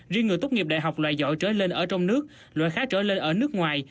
riêng người tốt nghiệp đại học loại giỏi trở lên ở trong nước loại khá trở lên ở nước ngoài